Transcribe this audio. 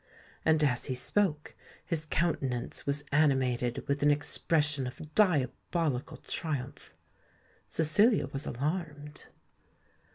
And, as he spoke, his countenance was animated with an expression of diabolical triumph. Cecilia was alarmed.